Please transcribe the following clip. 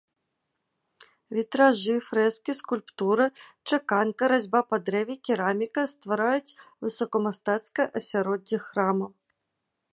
Вітражы, фрэскі, скульптура, чаканка, разьба па дрэве, кераміка ствараюць высокамастацкае асяроддзе храма.